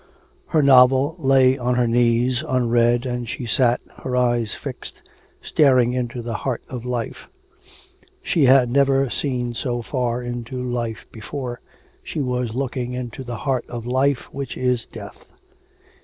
Her novel lay on her knees unread, and she sat, her eyes fixed, staring into the heart of life. She had never seen so far into life before; she was looking into the heart of life, which is death.